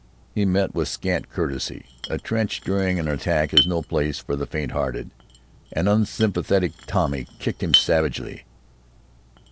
He met with scant courtesy. A trench during an attack is no place for the faint hearted. An unsympathetic Tommy kicked him savagely.